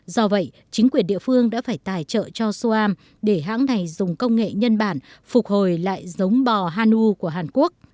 do vậy chính quyền địa phương đã phải tài trợ cho suam để hãng này dùng công nghệ nhân bản phục hồi lại giống bò hanu của hàn quốc